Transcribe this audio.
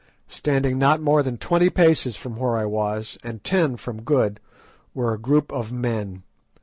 Standing not more than twenty paces from where I was, and ten from Good, were a group of men.